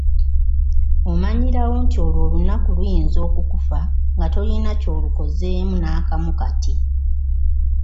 Omanyirawo nti olwo olunaku luyinza okukufa nga tolina ky'olukozeemu n'akamu kati .